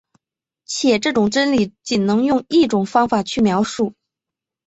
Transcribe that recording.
且这种真理仅能由一种方法去描述。